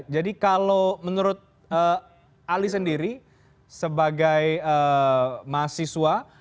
jadi kalau menurut ali sendiri sebagai mahasiswa